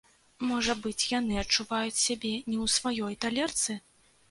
Можа быць, яны адчуваюць сябе не ў сваёй талерцы?